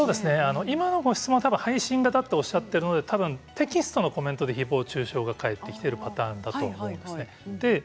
今のご質問は配信形とおっしゃっているのでテキストのコメントでひぼう中傷が入ってきているんだと思います。